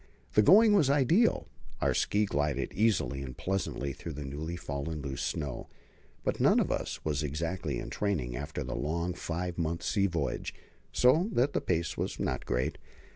The going was ideal; our ski glided easily and pleasantly through the newly fallen loose snow. But none of us was exactly in training after the long five months' sea voyage, so that the pace was not great.